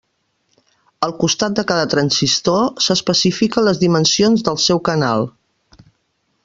Al costat de cada transistor s'especifiquen les dimensions del seu canal.